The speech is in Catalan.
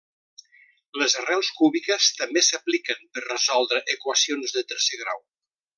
Les arrels cúbiques també s'apliquen per resoldre equacions de tercer grau.